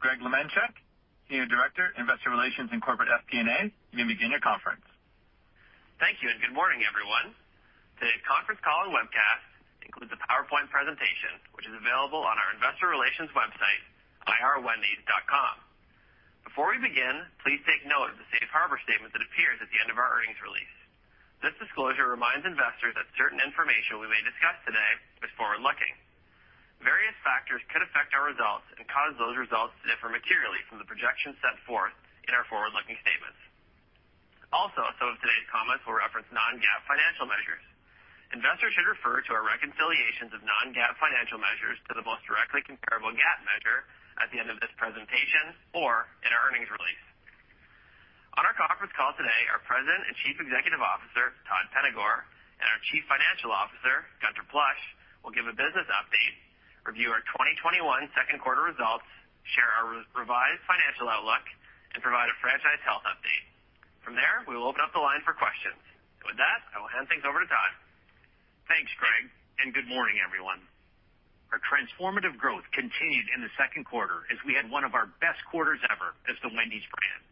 Greg Lemenchick, Senior Director, Investor Relations and Corporate FP&A, you may begin your conference. Thank you, and good morning, everyone. Today's conference call and webcast includes a PowerPoint presentation, which is available on our investor relations website, irwendys.com. Before we begin, please take note of the safe harbor statement that appears at the end of our earnings release. This disclosure reminds investors that certain information we may discuss today is forward-looking. Various factors could affect our results and cause those results to differ materially from the projections set forth in our forward-looking statements. Also, some of today's comments will reference non-GAAP financial measures. Investors should refer to our reconciliations of non-GAAP financial measures to the most directly comparable GAAP measure at the end of this presentation or in our earnings release. On our conference call today, our President and Chief Executive Officer, Todd Penegor, and our Chief Financial Officer, Gunther Plosch, will give a business update, review our 2021 second quarter results, share our revised financial outlook, and provide a franchise health update. From there, we will open up the line for questions. With that, I will hand things over to Todd. Thanks, Greg, and good morning, everyone. Our transformative growth continued in the second quarter as we had one of our best quarters ever as The Wendy's brand.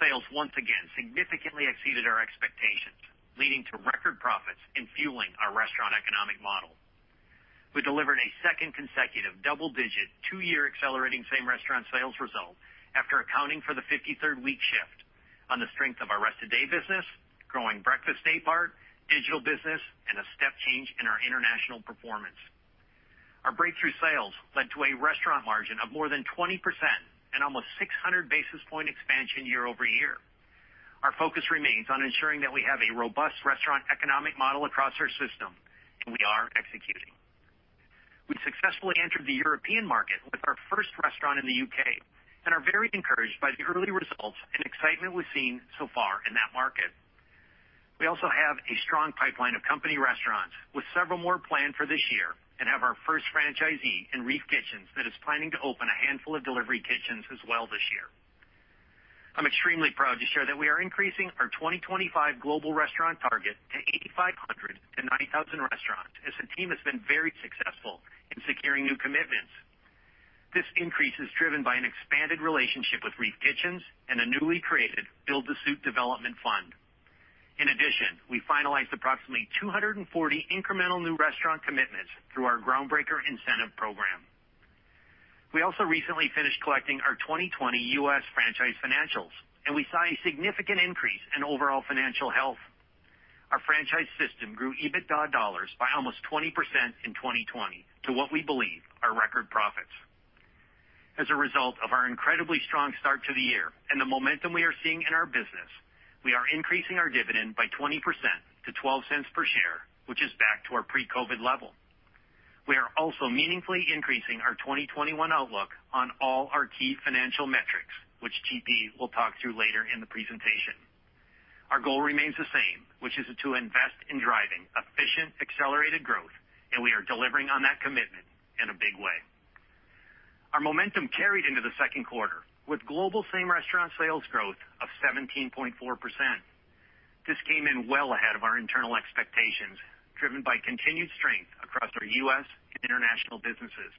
Sales once again significantly exceeded our expectations, leading to record profits and fueling our restaurant economic model. We delivered a second consecutive double-digit, two-year accelerating same-restaurant sales result after accounting for the 53rd-week shift on the strength of our rest of day business, growing breakfast day part, digital business, and a step change in our international performance. Our breakthrough sales led to a restaurant margin of more than 20% and almost 600 basis point expansion year-over-year. Our focus remains on ensuring that we have a robust restaurant economic model across our system, and we are executing. We successfully entered the European market with our first restaurant in the U.K. and are very encouraged by the early results and excitement we've seen so far in that market. We also have a strong pipeline of company restaurants with several more planned for this year and have our first franchisee in REEF Kitchens that is planning to open a handful of delivery kitchens as well this year. I'm extremely proud to share that we are increasing our 2025 global restaurant target to 8,500-9,000 restaurants as the team has been very successful in securing new commitments. This increase is driven by an expanded relationship with REEF Kitchens and a newly created Build to Suit Development Fund. In addition, we finalized approximately 240 incremental new restaurant commitments through our Groundbreaker incentive program. We also recently finished collecting our 2020 U.S. franchise financials, and we saw a significant increase in overall financial health. Our franchise system grew EBITDA dollars by almost 20% in 2020 to what we believe are record profits. As a result of our incredibly strong start to the year and the momentum we are seeing in our business, we are increasing our dividend by 20% to $0.12 per share, which is back to our pre-COVID level. We are also meaningfully increasing our 2021 outlook on all our key financial metrics, which GP will talk through later in the presentation. Our goal remains the same, which is to invest in driving efficient, accelerated growth, and we are delivering on that commitment in a big way. Our momentum carried into the second quarter with global same-restaurant sales growth of 17.4%. This came in well ahead of our internal expectations, driven by continued strength across our U.S. and international businesses.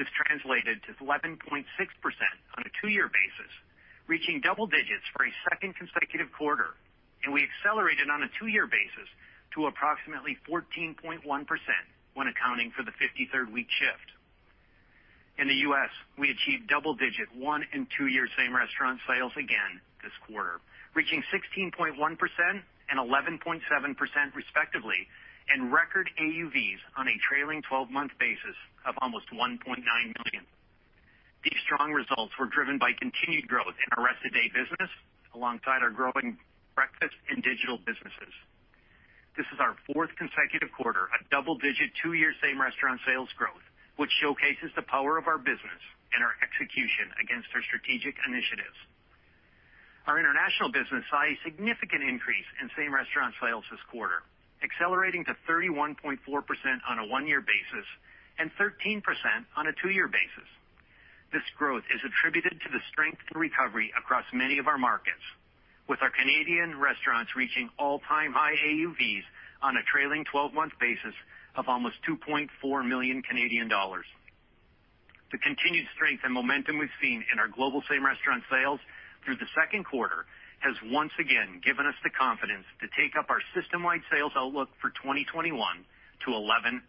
This translated to 11.6% on a two-year basis, reaching double digits for a second consecutive quarter. We accelerated on a two-year basis to approximately 14.1% when accounting for the 53rd-week shift. In the U.S., we achieved double-digit one and two-year same-restaurant sales again this quarter, reaching 16.1% and 11.7% respectively, and record AUVs on a trailing 12-month basis of almost $1.9 million. These strong results were driven by continued growth in our rest of day business alongside our growing breakfast and digital businesses. This is our fourth consecutive quarter of double-digit, two-year same-restaurant sales growth, which showcases the power of our business and our execution against our strategic initiatives. Our international business saw a significant increase in same-restaurant sales this quarter, accelerating to 31.4% on a one-year basis and 13% on a two-year basis. This growth is attributed to the strength and recovery across many of our markets. With our Canadian restaurants reaching all-time high AUVs on a trailing 12-month basis of almost CAD$2.4 million. The continued strength and momentum we've seen in our global same-restaurant sales through the second quarter has once again given us the confidence to take up our systemwide sales outlook for 2021 to 11%-13%.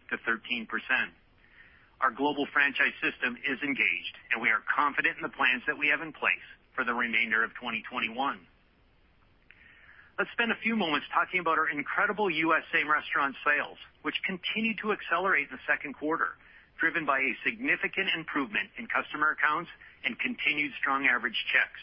Our global franchise system is engaged, and we are confident in the plans that we have in place for the remainder of 2021. Let's spend a few moments talking about our incredible U.S. same-restaurant sales, which continued to accelerate in the second quarter, driven by a significant improvement in customer counts and continued strong average checks.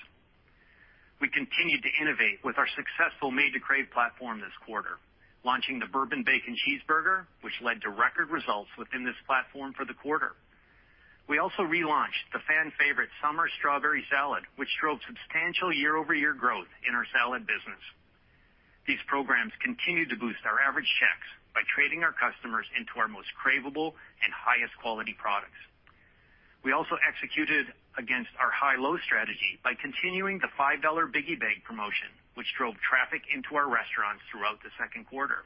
We continued to innovate with our successful Made to Crave platform this quarter, launching the Bourbon Bacon Cheeseburger, which led to record results within this platform for the quarter. We also relaunched the fan favorite Summer Strawberry Salad, which drove substantial year-over-year growth in our salad business. These programs continue to boost our average checks by trading our customers into our most craveable and highest quality products. We also executed against our high-low strategy by continuing the $5 Biggie Bag promotion, which drove traffic into our restaurants throughout the second quarter.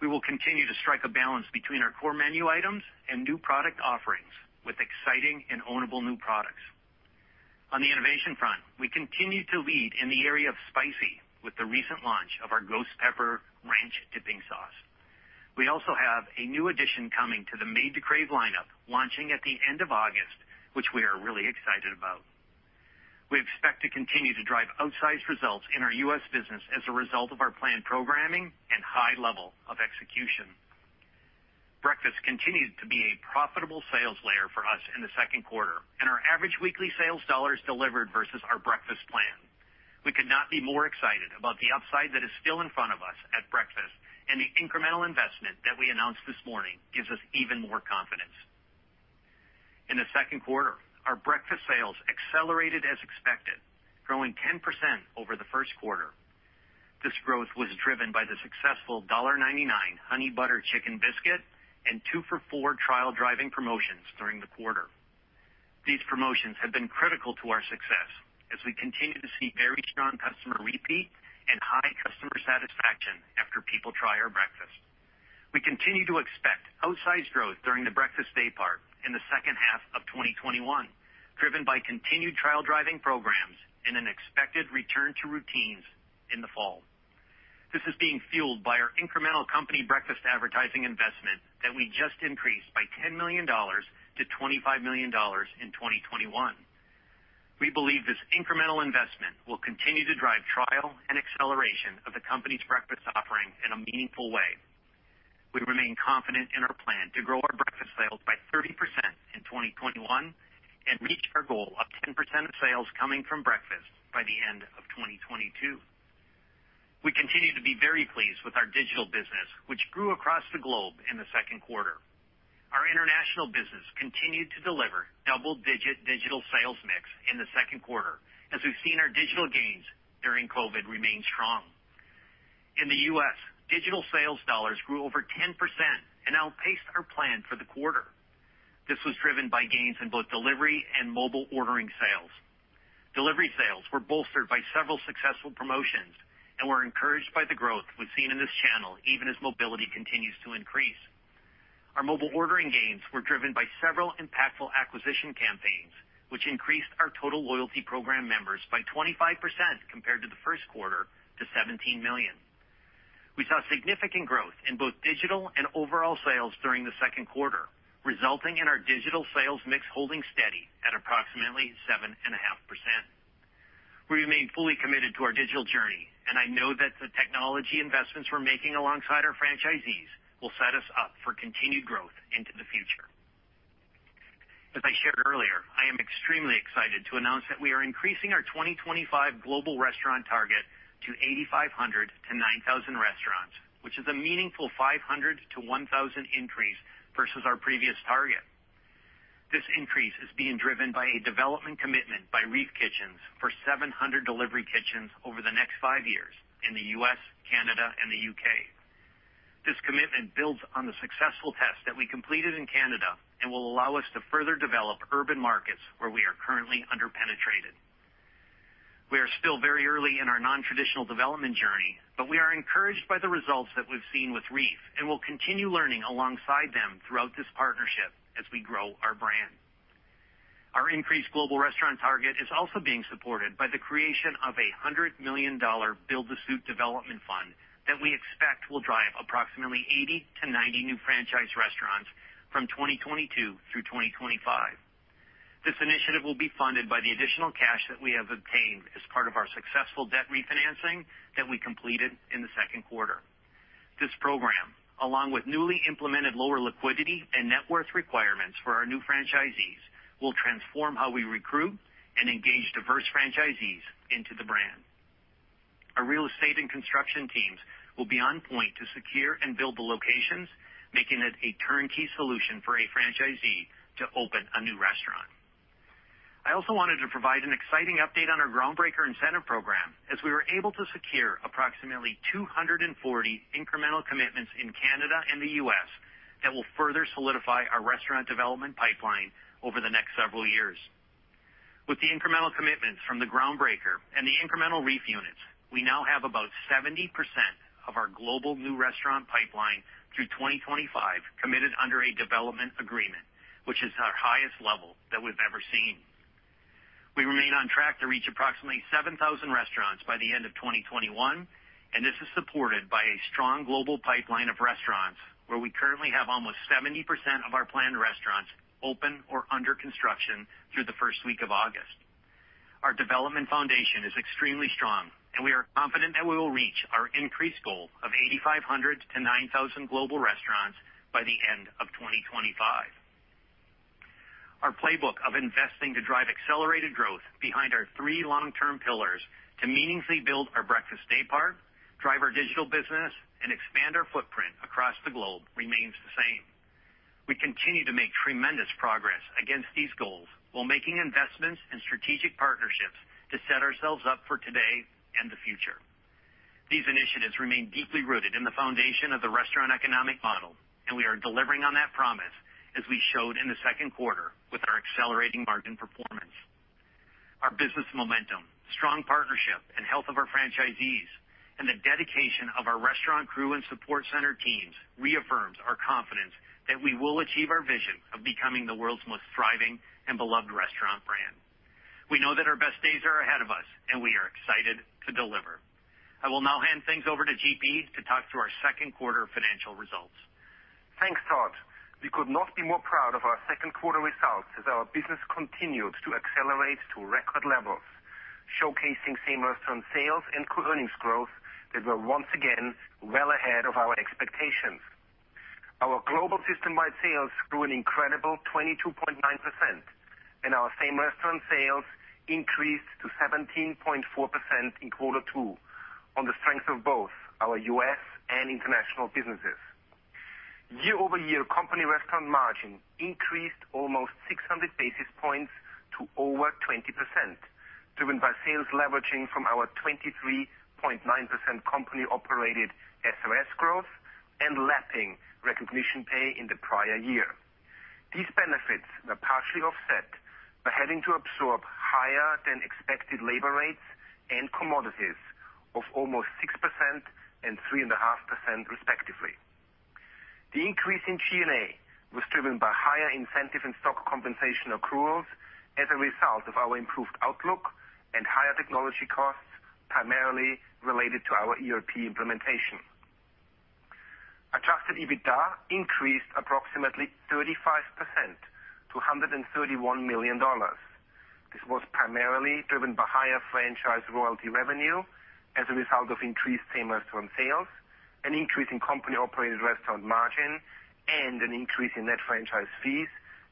We will continue to strike a balance between our core menu items and new product offerings with exciting and ownable new products. On the innovation front, we continue to lead in the area of spicy, with the recent launch of our Ghost Pepper Ranch dipping sauce. We also have a new addition coming to the Made to Crave lineup launching at the end of August, which we are really excited about. We expect to continue to drive outsized results in our U.S. business as a result of our planned programming and high level of execution. Breakfast continued to be a profitable sales layer for us in the second quarter, and our average weekly sales dollars delivered versus our breakfast plan. We could not be more excited about the upside that is still in front of us at breakfast, and the incremental investment that we announced this morning gives us even more confidence. In the second quarter, our breakfast sales accelerated as expected, growing 10% over the first quarter. This growth was driven by the successful $1.99 Honey Butter Chicken Biscuit and two-for-four trial-driving promotions during the quarter. These promotions have been critical to our success as we continue to see very strong customer repeat and high customer satisfaction after people try our breakfast. We continue to expect outsized growth during the breakfast daypart in the second half of 2021, driven by continued trial-driving programs and an expected return to routines in the fall. This is being fueled by our incremental company breakfast advertising investment that we just increased by $10 million-$25 million in 2021. We believe this incremental investment will continue to drive trial and acceleration of the company's breakfast offering in a meaningful way. We remain confident in our plan to grow our breakfast sales by 30% in 2021 and reach our goal of 10% of sales coming from breakfast by the end of 2022. We continue to be very pleased with our digital business, which grew across the globe in the second quarter. Our international business continued to deliver double-digit digital sales mix in the second quarter, as we've seen our digital gains during COVID remain strong. In the U.S., digital sales dollars grew over 10% and outpaced our plan for the quarter. This was driven by gains in both delivery and mobile ordering sales. Delivery sales were bolstered by several successful promotions, and we're encouraged by the growth we've seen in this channel, even as mobility continues to increase. Our mobile ordering gains were driven by several impactful acquisition campaigns, which increased our total loyalty program members by 25% compared to the first quarter to 17 million. We saw significant growth in both digital and overall sales during the second quarter, resulting in our digital sales mix holding steady at approximately 7.5%. We remain fully committed to our digital journey. I know that the technology investments we're making alongside our franchisees will set us up for continued growth into the future. As I shared earlier, I am extremely excited to announce that we are increasing our 2025 global restaurant target to 8,500 to 9,000 restaurants, which is a meaningful 500 to 1,000 increase versus our previous target. This increase is being driven by a development commitment by REEF Kitchens for 700 delivery kitchens over the next five years in the U.S., Canada, and the U.K. This commitment builds on the successful test that we completed in Canada and will allow us to further develop urban markets where we are currently under-penetrated. We are still very early in our non-traditional development journey, but we are encouraged by the results that we've seen with REEF and will continue learning alongside them throughout this partnership as we grow our brand. Our increased global restaurant target is also being supported by the creation of a $100 million Build to Suit Development Fund that we expect will drive approximately 80-90 new franchise restaurants from 2022 through 2025. This initiative will be funded by the additional cash that we have obtained as part of our successful debt refinancing that we completed in the second quarter. This program, along with newly implemented lower liquidity and net worth requirements for our new franchisees, will transform how we recruit and engage diverse franchisees into the brand. Our real estate and construction teams will be on point to secure and build the locations, making it a turnkey solution for a franchisee to open a new restaurant. I also wanted to provide an exciting update on our Groundbreaker incentive program, as we were able to secure approximately 240 incremental commitments in Canada and the U.S. that will further solidify our restaurant development pipeline over the next several years. With the incremental commitments from the Groundbreaker and the incremental REEF units, we now have about 70% of our global new restaurant pipeline through 2025 committed under a development agreement, which is our highest level that we've ever seen. We remain on track to reach approximately 7,000 restaurants by the end of 2021. This is supported by a strong global pipeline of restaurants where we currently have almost 70% of our planned restaurants open or under construction through the first week of August. Our development foundation is extremely strong. We are confident that we will reach our increased goal of 8,500-9,000 global restaurants by the end of 2025. Our playbook of investing to drive accelerated growth behind our three long-term pillars to meaningfully build our breakfast daypart, drive our digital business, and expand our footprint across the globe remains the same. We continue to make tremendous progress against these goals while making investments and strategic partnerships to set ourselves up for today and the future. These initiatives remain deeply rooted in the foundation of the restaurant economic model, and we are delivering on that promise, as we showed in the second quarter with our accelerating margin performance. Our business momentum, strong partnership, and health of our franchisees, and the dedication of our restaurant crew and support center teams reaffirms our confidence that we will achieve our vision of becoming the world's most thriving and beloved restaurant brand. We know that our best days are ahead of us, and we are excited to deliver. I will now hand things over to GP to talk through our second quarter financial results. Thanks, Todd. We could not be more proud of our second quarter results as our business continued to accelerate to record levels, showcasing same-restaurant sales and earnings growth that were once again well ahead of our expectations. Our global systemwide sales grew an incredible 22.9%. Our same-restaurant sales increased to 17.4% in quarter two on the strength of both our U.S. and international businesses. Year-over-year company restaurant margin increased almost 600 basis points to over 20%, driven by sales leveraging from our 23.9% company-operated SRS growth and lapping recognition pay in the prior year. These benefits were partially offset by having to absorb higher than expected labor rates and commodities of almost 6% and 3.5%, respectively. The increase in G&A was driven by higher incentive and stock compensation accruals as a result of our improved outlook and higher technology costs, primarily related to our ERP implementation. Adjusted EBITDA increased approximately 35% to $131 million. This was primarily driven by higher franchise royalty revenue as a result of increased same-restaurant sales, an increase in company-operated restaurant margin, and an increase in net franchise fees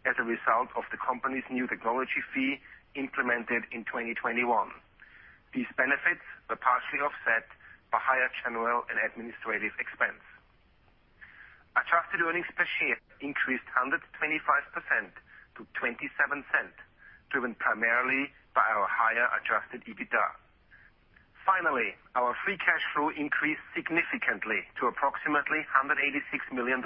as a result of the company's new technology fee implemented in 2021. These benefits were partially offset by higher general and administrative expense. Adjusted earnings per share increased 125% to $0.27, driven primarily by our higher adjusted EBITDA. Finally, our free cash flow increased significantly to approximately $186 million.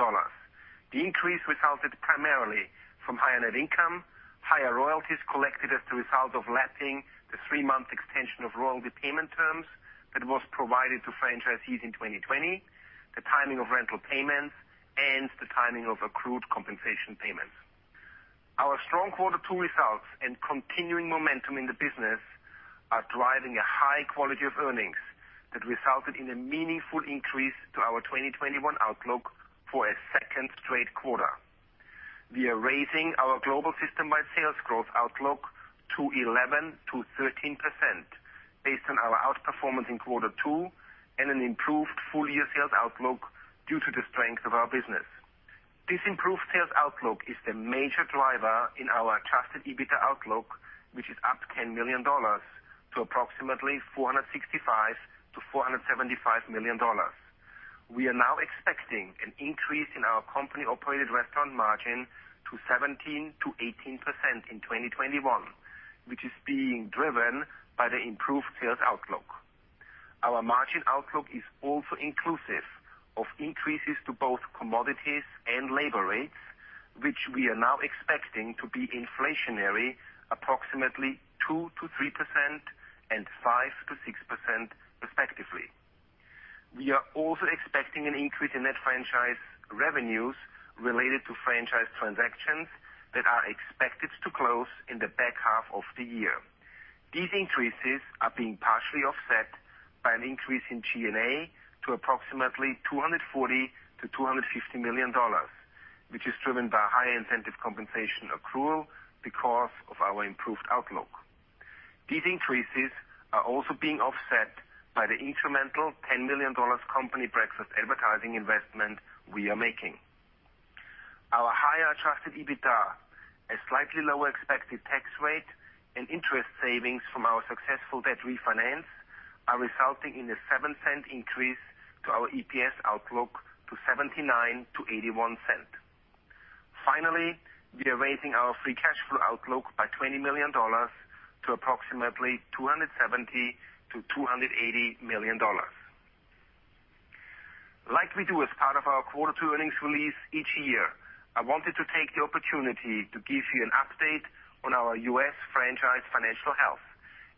The increase resulted primarily from higher net income, higher royalties collected as the result of lapping the three-month extension of royalty payment terms that was provided to franchisees in 2020, the timing of rental payments, and the timing of accrued compensation payments. Our strong quarter two results and continuing momentum in the business are driving a high quality of earnings that resulted in a meaningful increase to our 2021 outlook for a second straight quarter. We are raising our global systemwide sales growth outlook to 11%-13%, based on our outperformance in quarter two and an improved full-year sales outlook due to the strength of our business. This improved sales outlook is the major driver in our adjusted EBITDA outlook, which is up $10 million to approximately $465 million-$475 million. We are now expecting an increase in our company-operated restaurant margin to 17%-18% in 2021, which is being driven by the improved sales outlook. Our margin outlook is also inclusive of increases to both commodities and labor rates, which we are now expecting to be inflationary approximately 2%-3% and 5%-6%, respectively. We are also expecting an increase in net franchise revenues related to franchise transactions that are expected to close in the back half of the year. These increases are being partially offset by an increase in G&A to approximately $240 million-$250 million, which is driven by higher incentive compensation accrual because of our improved outlook. These increases are also being offset by the incremental $10 million company breakfast advertising investment we are making. Our higher adjusted EBITDA, a slightly lower expected tax rate, and interest savings from our successful debt refinance are resulting in a $0.07 increase to our EPS outlook to $0.79-$0.81. We are raising our free cash flow outlook by $20 million to approximately $270 million-$280 million. Like we do as part of our quarter two earnings release each year, I wanted to take the opportunity to give you an update on our U.S. franchise financial health,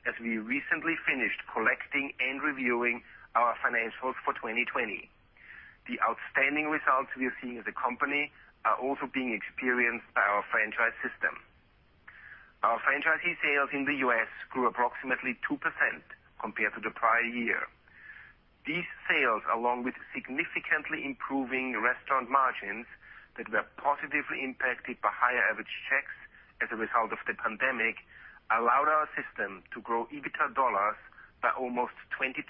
as we recently finished collecting and reviewing our financials for 2020. The outstanding results we are seeing as a company are also being experienced by our franchise system. Our franchisee sales in the U.S. grew approximately 2% compared to the prior year. These sales, along with significantly improving restaurant margins that were positively impacted by higher average checks as a result of the pandemic, allowed our system to grow EBITDA dollars by almost 20%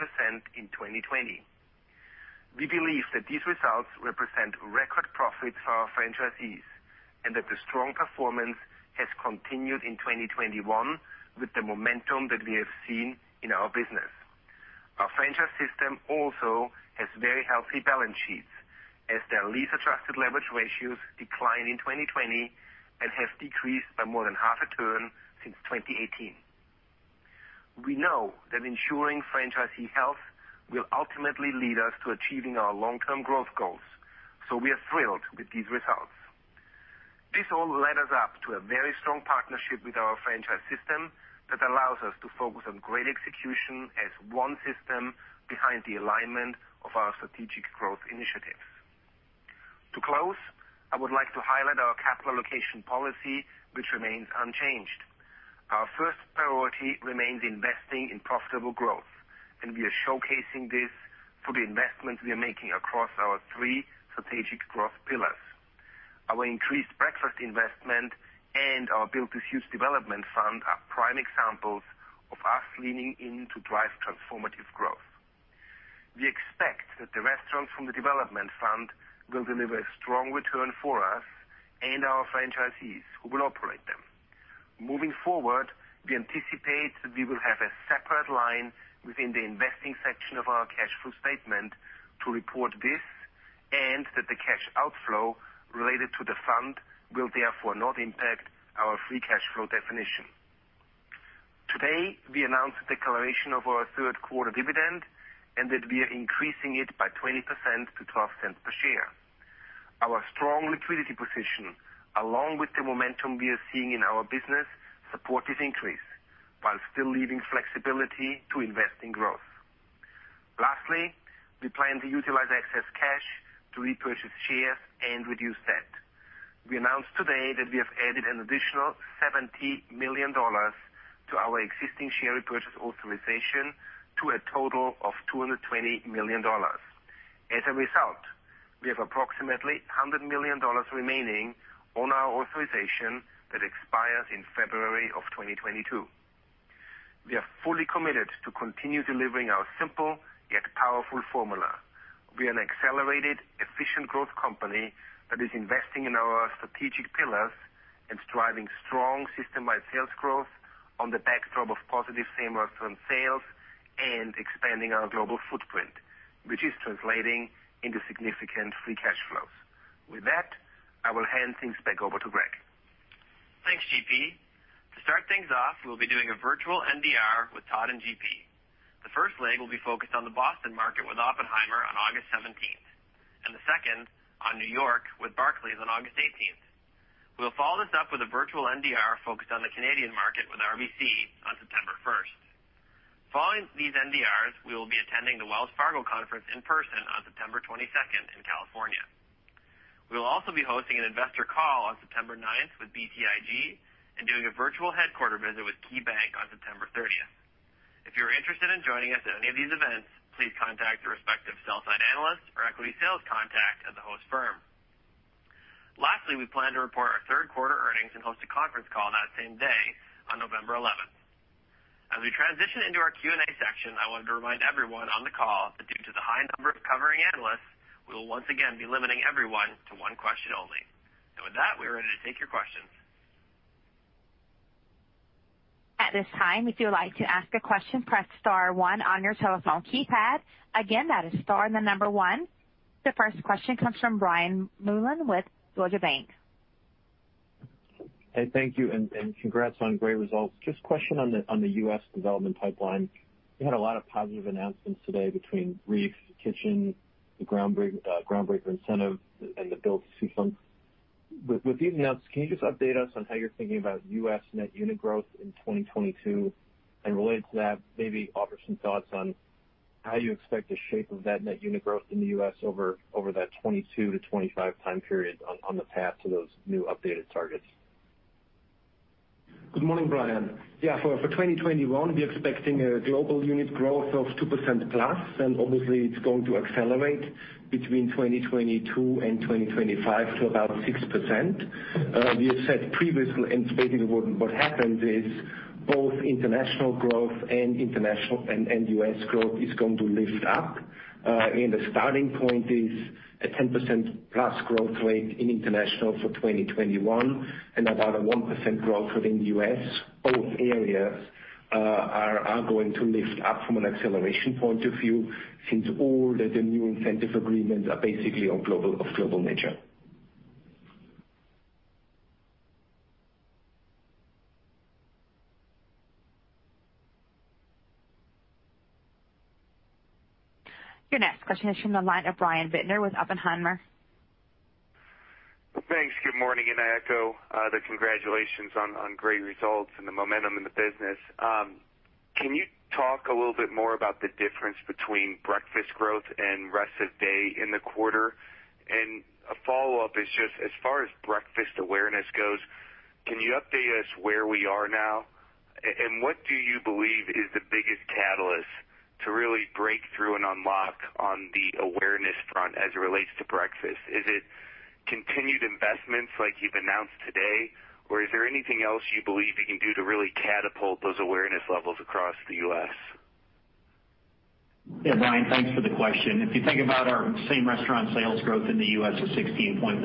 in 2020. We believe that these results represent record profits for our franchisees and that the strong performance has continued in 2021 with the momentum that we have seen in our business. Our franchise system also has very healthy balance sheets as their lease-adjusted leverage ratios decline in 2020 and have decreased by more than 0.5 turn since 2018. We know that ensuring franchisee health will ultimately lead us to achieving our long-term growth goals, so we are thrilled with these results. This all led us up to a very strong partnership with our franchise system that allows us to focus on great execution as one system behind the alignment of our strategic growth initiatives. To close, I would like to highlight our capital allocation policy, which remains unchanged. Our first priority remains investing in profitable growth, and we are showcasing this for the investments we are making across our three strategic growth pillars. Our increased breakfast investment and our Build to Suit Development Fund are prime examples of us leaning in to drive transformative growth. We expect that the restaurants from the development fund will deliver a strong return for us and our franchisees who will operate them. Moving forward, we anticipate that we will have a separate line within the investing section of our cash flow statement to report this, and that the cash outflow related to the fund will therefore not impact our free cash flow definition. Today, we announced the declaration of our third quarter dividend and that we are increasing it by 20% to $0.12 per share. Our strong liquidity position, along with the momentum we are seeing in our business, support this increase while still leaving flexibility to invest in growth. Lastly, we plan to utilize excess cash to repurchase shares and reduce debt. We announced today that we have added an additional $70 million to our existing share repurchase authorization to a total of $220 million. As a result, we have approximately $100 million remaining on our authorization that expires in February of 2022. We are fully committed to continue delivering our simple yet powerful formula. We are an accelerated, efficient growth company that is investing in our strategic pillars and driving strong systemwide sales growth on the backdrop of positive same-restaurant sales and expanding our global footprint, which is translating into significant free cash flows. With that, I will hand things back over to Greg. Thanks, GP. To start things off, we'll be doing a virtual NDR with Todd and GP. The first leg will be focused on the Boston market with Oppenheimer on August 17th, and the second on New York with Barclays on August 18th. We'll follow this up with a virtual NDR focused on the Canadian market with RBC on September 1st. Following these NDRs, we will be attending the Wells Fargo conference in person on September 22nd in California. We will also be hosting an investor call on September 9th with BTIG and doing a virtual headquarter visit with KeyBank on September 30th. If you're interested in joining us at any of these events, please contact the respective sell side analyst or equity sales contact at the host firm. Lastly, we plan to report our third quarter earnings and host a conference call on that same day on November 11th. As we transition into our Q&A section, I wanted to remind everyone on the call that due to the high number of covering analysts, we will once again be limiting everyone to one question only. With that, we are ready to take your questions. The first question comes from Brian Mullan with Deutsche Bank. Hey, thank you, and congrats on great results. Just a question on the U.S. development pipeline. You had a lot of positive announcements today between REEF Kitchens, the Groundbreaker incentive, and the Build-to-Suit fund. With these announcements, can you just update us on how you're thinking about U.S. net unit growth in 2022? Related to that, maybe offer some thoughts on how you expect the shape of that net unit growth in the U.S. over that 2022-2025 time period on the path to those new updated targets. Good morning, Brian. For 2021, we are expecting a global unit growth of 2%+, obviously it's going to accelerate between 2022 and 2025 to about 6%. We have said previously, basically what happened is both international growth and U.S. growth is going to lift up, the starting point is a 10%+ growth rate in international for 2021 and about a 1% growth rate in the U.S. Both areas are going to lift up from an acceleration point of view since all the new incentive agreements are basically of global nature. Your next question is from the line of Brian Bittner with Oppenheimer. Thanks. Good morning. I echo the congratulations on great results and the momentum in the business. Can you talk a little bit more about the difference between breakfast growth and rest of day in the quarter? A follow-up is just as far as breakfast awareness goes, can you update us where we are now? What do you believe is the biggest catalyst to really break through and unlock on the awareness front as it relates to breakfast? Is it continued investments like you've announced today, or is there anything else you believe you can do to really catapult those awareness levels across the U.S.? Yeah, Brian, thanks for the question. If you think about our same-restaurant sales growth in the U.S. of 16.1%,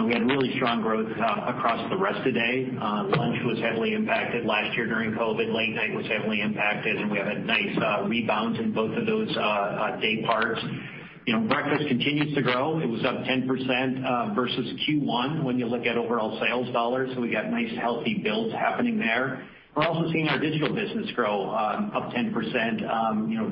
we had really strong growth across the rest of day. Lunch was heavily impacted last year during COVID. Late night was heavily impacted, we have had nice rebounds in both of those day parts. Breakfast continues to grow. It was up 10% versus Q1 when you look at overall sales dollars, we got nice healthy builds happening there. We're also seeing our digital business grow up 10%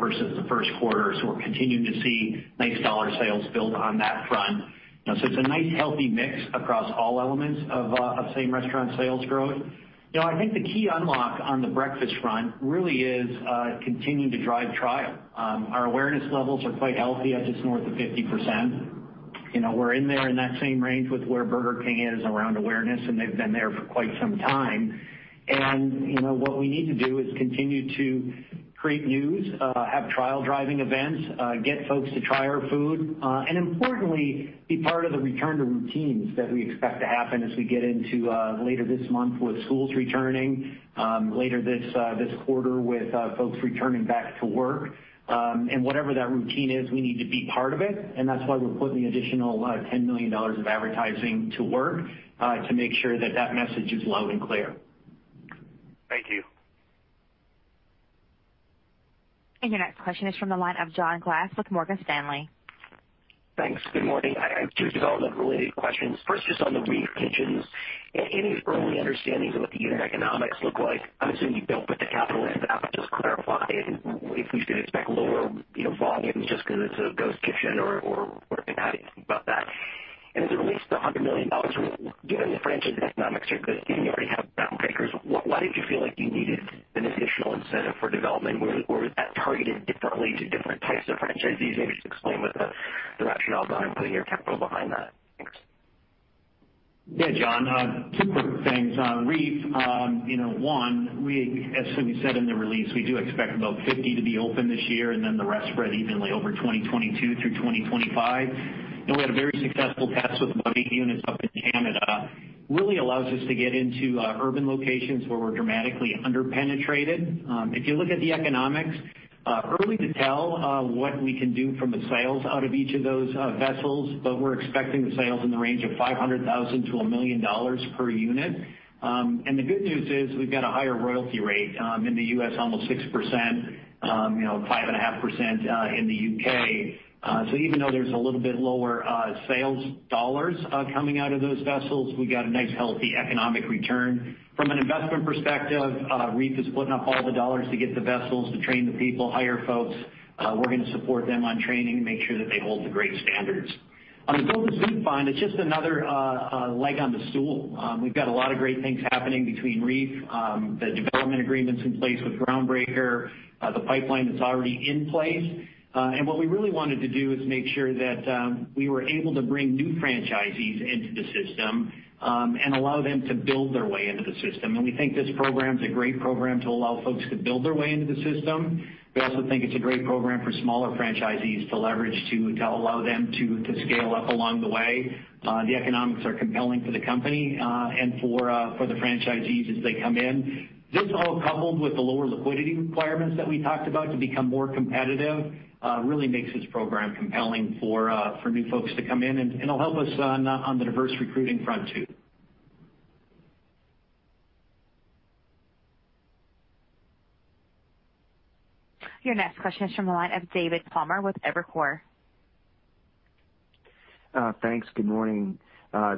versus the first quarter. We're continuing to see nice dollar sales build on that front. It's a nice, healthy mix across all elements of same-restaurant sales growth. I think the key unlock on the breakfast front really is continuing to drive trial. Our awareness levels are quite healthy at just north of 50%. We're in there in that same range with where Burger King is around awareness, and they've been there for quite some time. What we need to do is continue to create news, have trial driving events, get folks to try our food, and importantly, be part of the return to routines that we expect to happen as we get into later this month with schools returning, later this quarter with folks returning back to work. Whatever that routine is, we need to be part of it, and that's why we're putting additional $10 million of advertising to work, to make sure that that message is loud and clear. Thank you. Your next question is from the line of John Glass with Morgan Stanley. Thanks. Good morning. I have two development-related questions. First, just on the REEF Kitchens, any early understandings of what the unit economics look like? I'm assuming you built with the capital, but just clarify if we should expect lower volumes just because it's a ghost kitchen or anything about that. As it relates to $100 million, given the franchise economics are good, given you already have Groundbreaker, why did you feel like you needed an additional incentive for development, or was that targeted differently to different types of franchisees? Maybe just explain what the rationale behind putting your capital behind that. Thanks. Yeah, John. Two quick things. REEF, one, as we said in the release, we do expect about 50 to be open this year and then the rest spread evenly over 2022 through 2025. We had a very successful test with about eight units up in Canada. Really allows us to get into urban locations where we're dramatically under-penetrated. If you look at the economics, early to tell what we can do from a sales out of each of those vessels, but we're expecting the sales in the range of $500,000-$1 million per unit. The good news is we've got a higher royalty rate. In the U.S., almost 6%, 5.5% in the U.K. Even though there's a little bit lower sales dollars coming out of those vessels, we got a nice, healthy economic return. From an investment perspective, REEF is putting up all the dollars to get the vessels, to train the people, hire folks. We're going to support them on training to make sure that they hold to great standards. On the Build to Suit fund, it's just another leg on the stool. We've got a lot of great things happening between REEF, the development agreements in place with Groundbreaker, the pipeline that's already in place. What we really wanted to do is make sure that we were able to bring new franchisees into the system, and allow them to build their way into the system. We think this program is a great program to allow folks to build their way into the system. We also think it's a great program for smaller franchisees to leverage to allow them to scale up along the way. The economics are compelling for the company, and for the franchisees as they come in. This all coupled with the lower liquidity requirements that we talked about to become more competitive, really makes this program compelling for new folks to come in, and it'll help us on the diverse recruiting front too. Your next question is from the line of David Palmer with Evercore. Thanks. Good morning.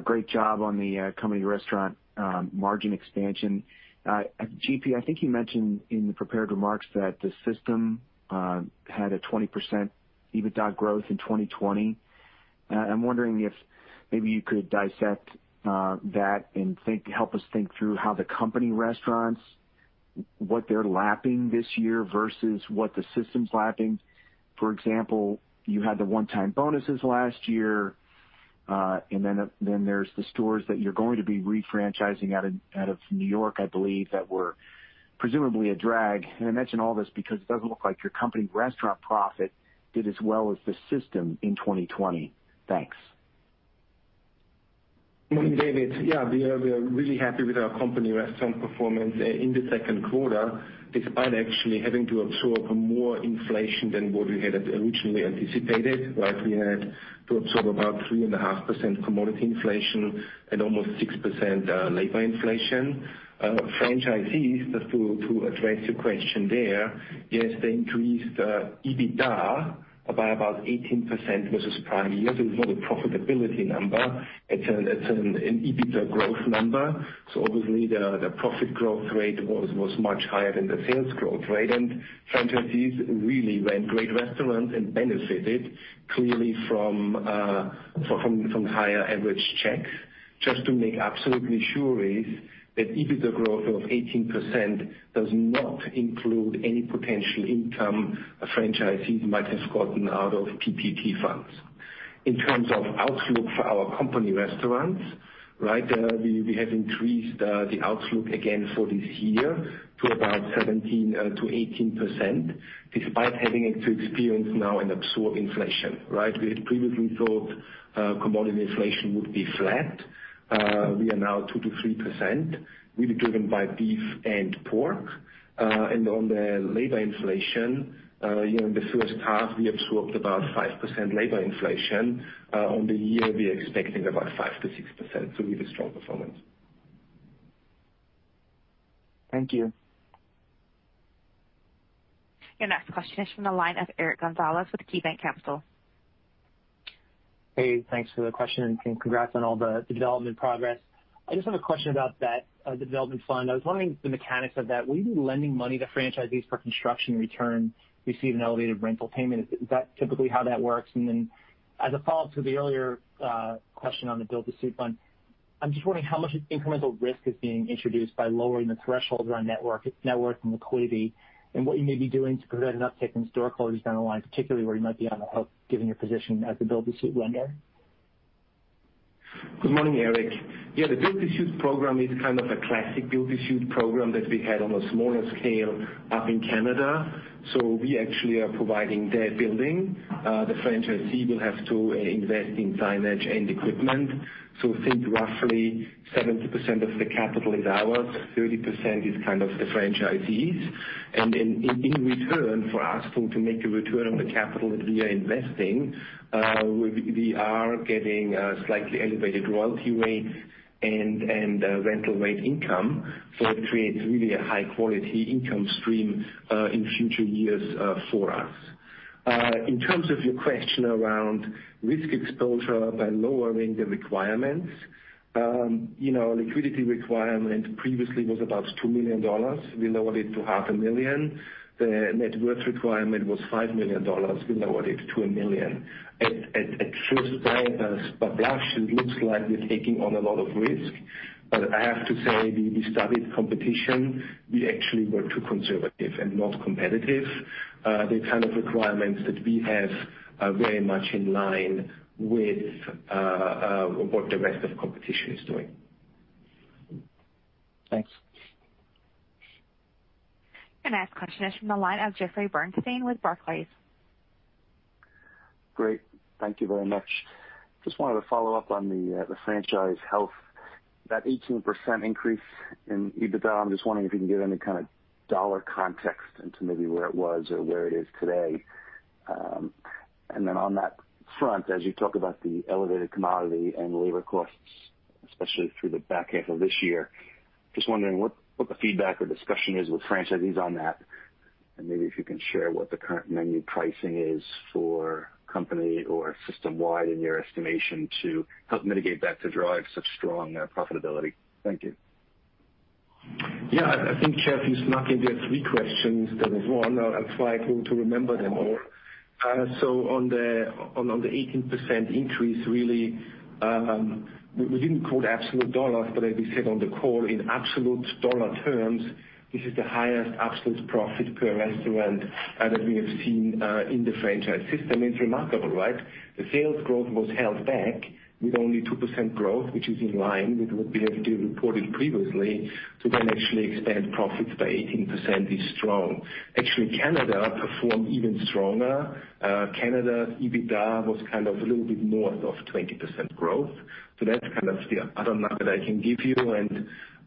Great job on the company restaurant margin expansion. GP, I think you mentioned in the prepared remarks that the system had a 20% EBITDA growth in 2020. I'm wondering if maybe you could dissect that and help us think through how the company restaurants, what they're lapping this year versus what the system's lapping. For example, you had the one-time bonuses last year, and then there's the stores that you're going to be re-franchising out of New York, I believe, that were presumably a drag. I mention all this because it doesn't look like your company restaurant profit did as well as the system in 2020. Thanks. Morning, David. We are really happy with our company restaurant performance in the second quarter, despite actually having to absorb more inflation than what we had originally anticipated. We had to absorb about 3.5% commodity inflation and almost 6% labor inflation. Franchisees, just to address your question there, yes, they increased EBITDA by about 18% versus prior year. It's not a profitability number. It's an EBITDA growth number. Obviously the profit growth rate was much higher than the sales growth rate. Franchisees really ran great restaurants and benefited clearly from higher average checks. Just to make absolutely sure is that EBITDA growth of 18% does not include any potential income a franchisee might have gotten out of PPP funds. In terms of outlook for our company restaurants, we have increased the outlook again for this year to about 17%-18%, despite having to experience now and absorb inflation. We had previously thought commodity inflation would be flat. We are now 2%-3%, really driven by beef and pork. On the labor inflation, in the first half, we absorbed about 5% labor inflation. On the year, we are expecting about 5%-6%, so really strong performance. Thank you. Your next question is from the line of Eric Gonzalez with KeyBanc Capital. Hey, thanks for the question and congrats on all the development progress. I just have a question about that, the Development Fund. I was wondering the mechanics of that. Will you be lending money to franchisees for construction in return to receive an elevated rental payment? Is that typically how that works? As a follow-up to the earlier question on the Build-to-Suit Fund, I am just wondering how much incremental risk is being introduced by lowering the threshold around net worth and liquidity, and what you may be doing to prevent an uptick in store closures down the line, particularly where you might be on the hook given your position as a Build-to-Suit lender. Good morning, Eric. Yeah, the Build-to-Suit program is kind of a classic Build-to-Suit program that we had on a smaller scale up in Canada. We actually are providing the building. The franchisee will have to invest in signage and equipment. Think roughly 70% of the capital is ours, 30% is the franchisee's. In return for us to make a return on the capital that we are investing, we are getting a slightly elevated royalty rate and rental rate income. It creates really a high-quality income stream in future years for us. In terms of your question around risk exposure by lowering the requirements. Liquidity requirement previously was about $2 million. We lowered it to $0.5 million. The net worth requirement was $5 million. We lowered it to $1 million. At first glance, by blush, it looks like we're taking on a lot of risk. I have to say, we studied competition. We actually were too conservative and not competitive. The kind of requirements that we have are very much in line with what the rest of competition is doing. Thanks. Next question is from the line of Jeffrey Bernstein with Barclays. Great. Thank you very much. Just wanted to follow up on the franchise health. That 18% increase in EBITDA, I am just wondering if you can give any kind of dollar context into maybe where it was or where it is today. On that front, as you talk about the elevated commodity and labor costs, especially through the back half of this year, just wondering what the feedback or discussion is with franchisees on that. Maybe if you can share what the current menu pricing is for company or system-wide in your estimation to help mitigate that to drive such strong profitability. Thank you. Yeah, I think Jeffrey snuck in there three questions. There was one. I'll try to remember them all. On the 18% increase, really, we didn't quote absolute dollars, but as we said on the call, in absolute dollar terms, this is the highest absolute profit per restaurant that we have seen in the franchise system. It's remarkable, right? The sales growth was held back with only 2% growth, which is in line with what we have reported previously. Actually expand profits by 18% is strong. Actually, Canada performed even stronger. Canada's EBITDA was a little bit north of 20% growth. That's the other number that I can give you.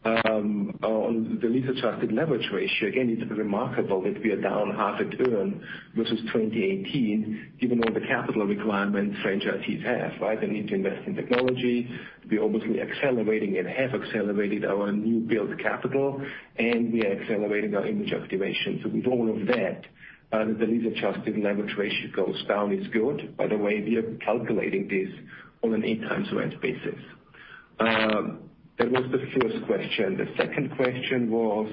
On the lease-adjusted leverage ratio, again, it's remarkable that we are down half a turn versus 2018, given all the capital requirements franchisees have, right? They need to invest in technology. We're obviously accelerating and have accelerated our new build capital. We are accelerating our Image Activation. With all of that, the lease-adjusted leverage ratio goes down, is good. By the way, we are calculating this on an in-time rent basis. That was the first question. The second question was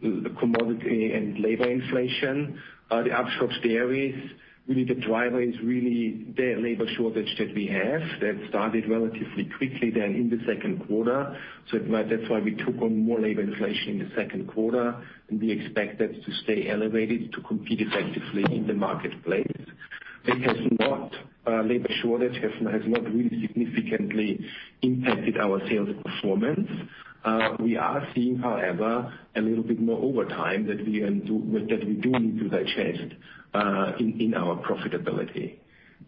the commodity and labor inflation. The upshot there is really the driver is the labor shortage that we have. That started relatively quickly then in the second quarter. That's why we took on more labor inflation in the second quarter. We expect that to stay elevated to compete effectively in the marketplace. Labor shortage has not really significantly impacted our sales performance. We are seeing, however, a little bit more overtime that we do need to get checked in our profitability.